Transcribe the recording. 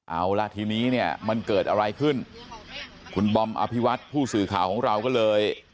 เอาละทีนี้เนี่ยมันเกิดอะไรขึ้นคุณบอมอภิวัตผู้สื่อข่าวของเราก็เลย